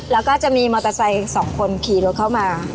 แล้วก็จะมีมอเตอร์ไซค์สองคนขี่รถเข้ามา